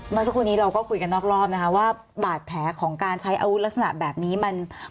เมื่อสักครู่นี้เราก็คุยกันนอกรอบนะคะว่าบาดแผลของการใช้อาวุธลักษณะแบบนี้มัน